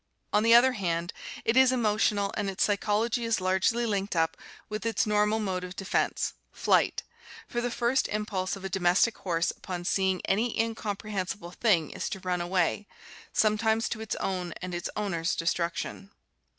On the other hand, it is emotional and its psychology is largely linked up with its normal mode of defense — flight — for the first impulse of a domestic horse upon seeing any incomprehensible thing is to run away, sometimes to its own and its owner's destruction.